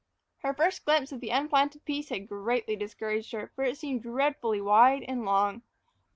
Her first glimpse of the unplanted piece had greatly discouraged her, for it seemed dreadfully wide and long.